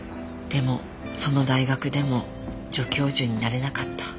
でもその大学でも助教授になれなかった。